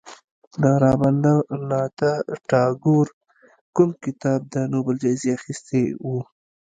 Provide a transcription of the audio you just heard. د رابندر ناته ټاګور کوم کتاب د نوبل جایزه اخیستې وه.